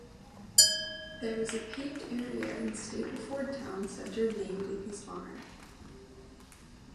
There is a paved area in Stapleford town centre named in his honour.